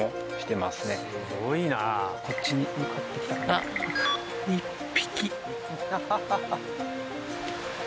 あっ１匹。